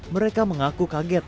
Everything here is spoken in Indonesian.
mereka mengaku kaget